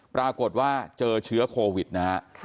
ปรากฏว่าเจอเชื้อโควิดนะฮะ